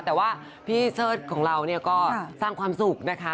แต่ว่าพี่เชิดของเราเนี่ยก็สร้างความสุขนะคะ